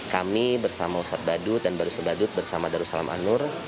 kami bersama ustadz badut dan badus badut bersama darussalam anur